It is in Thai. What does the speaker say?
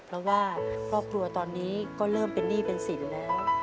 เพราะว่าครอบครัวตอนนี้ก็เริ่มเป็นหนี้เป็นสินแล้ว